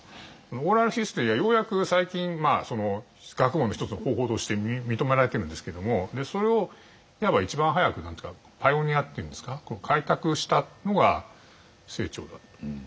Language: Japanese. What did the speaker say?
オーラルヒストリーはようやく最近学問の一つの方法として認められてるんですけどもそれをいわば一番早くパイオニアっていうんですか開拓したのが清張だと。